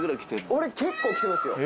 俺結構来てますよ。